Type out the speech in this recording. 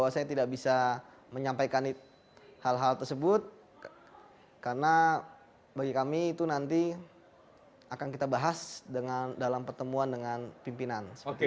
saya tidak bisa menyampaikan hal hal tersebut karena bagi kami itu nanti akan kita bahas dalam pertemuan dengan pimpinan